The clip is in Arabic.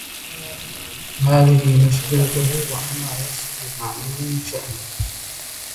هذه مشكلته و أنا لست معنيا بشأنه.